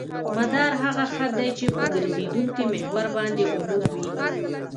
مدار هغه خط دی چې په ګرځېدونکي محور باندې عمود وي